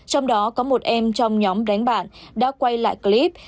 trong đó có một em trong nhóm đánh bạn đã quay lại clip